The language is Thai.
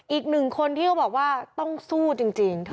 อีกหนึ่งคนที่เขาบอกว่าต้องสู้จริง